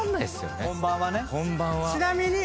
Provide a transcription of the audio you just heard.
本番はね。